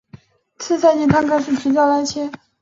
次赛季他开始执教莱切。